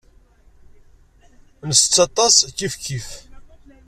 Nsett aṭas kifkif.